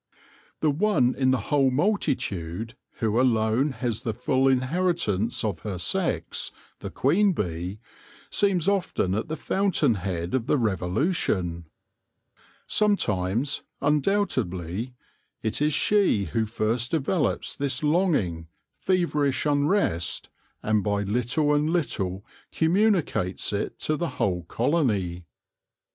The one in the whole multitude who alone has the full inheritance of her sex, the queen bee, seems often at the fountain head of the revolution. Some times, undoubtedly, it is she who first develops this longing, feverish unrest, and by little and little communicates it to the whole colony.